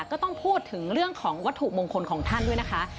ก็ต้องพูดถึงเรื่องของวัตถุมงคลของท่านด้วยนะคะ